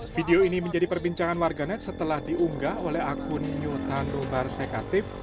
video ini menjadi perbincangan warganet setelah diunggah oleh akun nyotando barsekatif